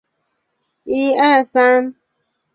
分类词不应与名词类别混淆。